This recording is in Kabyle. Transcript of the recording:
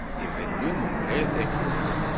Ibennu mebɣir takurt.